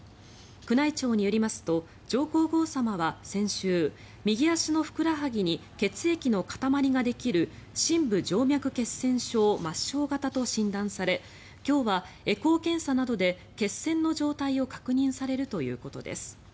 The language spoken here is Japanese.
宮内庁によりますと上皇后さまは先週右足のふくらはぎに血液の塊ができる深部静脈血栓症末しょう型と診断され今日はエコー検査などで血栓の状態を確認されるということです。